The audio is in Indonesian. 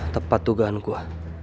tepat tugahan gue